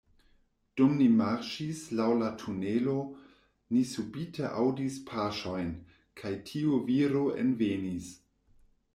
Dum ni marŝis laŭ la tunelo, ni subite aŭdis paŝojn, kaj tiu viro envenis.